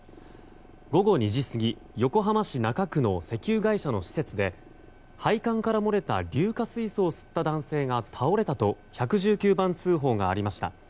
午後２時過ぎ横浜市中区の石油会社の施設で配管から漏れた硫化水素を吸った男性が倒れたと１１９番通報がありました。